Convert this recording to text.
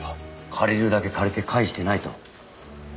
借りるだけ借りて返してないと。